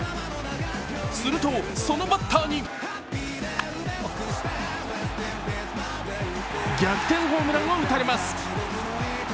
するとそのバッターに逆転ホームランを打たれます。